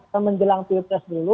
kemenjelang tirpres dulu